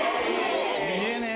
見えねえ。